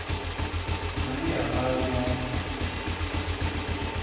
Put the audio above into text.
A nnyambal môô.